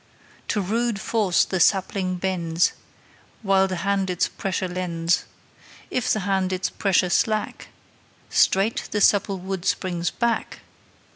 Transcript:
To rude force the sapling bends, While the hand its pressure lends; If the hand its pressure slack, Straight the supple wood springs back.